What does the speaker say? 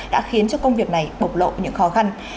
đã khiến cho công việc này bộc lộ những khó khăn